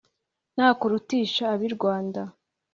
Nakurutisha ab’ i rwanda